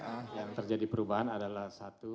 yang terjadi perubahan adalah satu